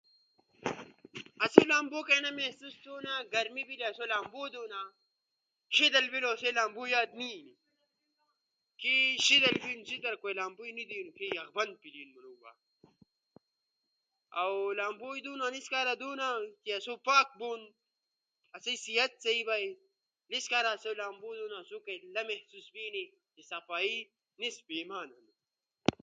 آسو لامبو کنا انا محسوس تھونا گرمی بیلو آسو لامبو دونا، شیدل بیسو آسو لامبو یاد نی اینو، کے شیدل بینو کوئے لامبوئے ذکر نی دینو کے یخبند بینو، اؤ لامبووئے دونا سی انیس کارا دونا کے آسوپاک بونو آسئی صحت سہی بینو، سی انیس کارا آسو لامبو دونا سیس کارا آسو اینا محسوس تھینی کہ صفائی نصف ایمان ہنو۔